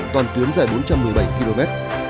toàn tuyến dài bốn trăm một mươi bảy km